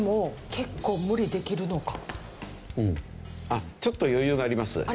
あっちょっと余裕があります。